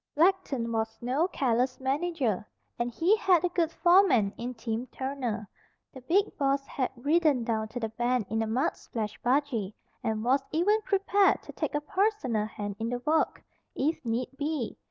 Blackton was no careless manager, and he had a good foreman in Tim Turner. The big boss had ridden down to the bend in a mud splashed buggy, and was even prepared to take a personal hand in the work, if need be.